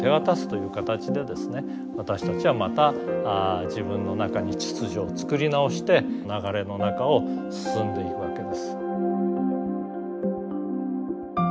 私たちはまた自分の中に秩序をつくり直して流れの中を進んでいくわけです。